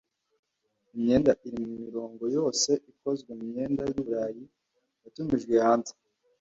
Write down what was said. imyenda iri murirongo yose ikozwe mumyenda yuburayi yatumijwe hanze